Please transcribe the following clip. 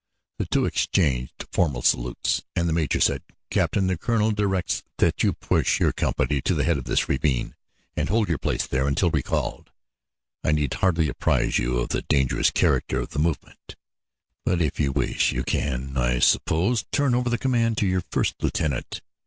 The two exchanged formal salutes, and the major said: "Captain, the colonel directs that you push your company to the head of this ravine and hold your place there until recalled. I need hardly apprise you of the dangerous character of the movement, but if you wish, you can, I suppose, turn over the command to your first lieutenant.